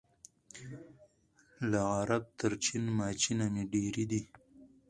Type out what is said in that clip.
له عرب تر چین ماچینه مي دېرې دي